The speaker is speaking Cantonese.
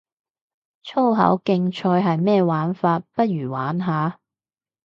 粗口競賽係咩玩法，不如玩下